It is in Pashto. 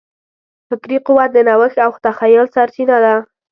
فکري قوت د نوښت او تخیل سرچینه ده.